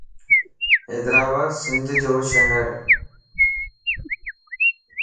حيدرآباد سنڌ جو شھرَ